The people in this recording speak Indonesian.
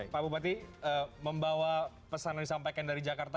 pak bupati membawa pesan yang disampaikan dari jakarta